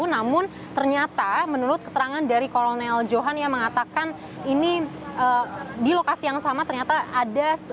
namun ternyata menurut keterangan dari kolonel johan yang mengatakan ini di lokasi yang sama ternyata ada